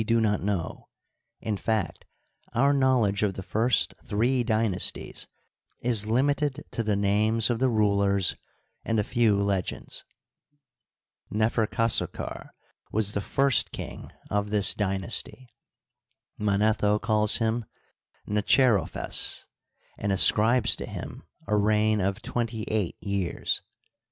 do not know ; in fact, our knowl edge of the first three dynasties is limited to the names of the rulers and a few legends. Neferkasokar was the first king of this dynasty. Manetho calls him Nechero phes, and ascribes to him a reign of twenty eight years.